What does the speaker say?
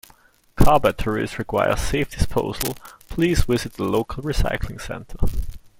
Car batteries require safe disposal, please visit the local recycling center.